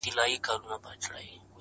• د غم قصه سړی خورا مات کړي..